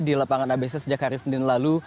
di lapangan abc sejak hari senin lalu